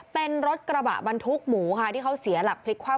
เป็นรถกระบะบรรทุกหมูค่ะที่เขาเสียหลักพลิกคว่ำ